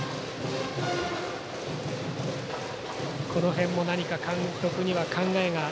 この辺も何か監督には考えが。